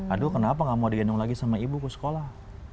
aduh kenapa gak mau di gendong lagi sama ibuku sekolah